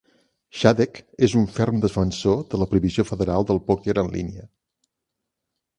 Shadegg és un ferm defensor de la prohibició federal del pòquer en línia.